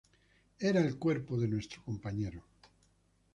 Era el cuerpo de nuestro compañero.